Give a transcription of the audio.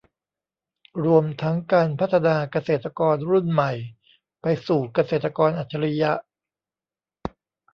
รวมทั้งการพัฒนาเกษตรกรรุ่นใหม่ไปสู่เกษตรกรอัจฉริยะ